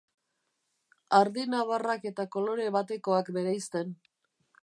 Ardi nabarrak eta kolore batekoak bereizten.